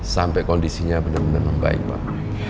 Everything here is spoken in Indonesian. sampai kondisinya bener bener membaik pak